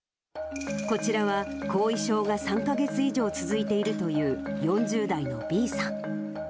こちらは、後遺症が３か月以上続いているという、４０代のＢさん。